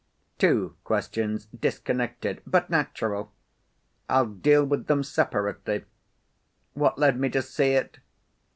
"Two questions, disconnected, but natural. I'll deal with them separately. What led me to see it?